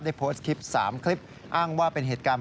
โพสต์คลิป๓คลิปอ้างว่าเป็นเหตุการณ์